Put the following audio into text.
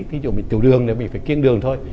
ví dụ mình tiêu đường thì mình phải kiêng đường thôi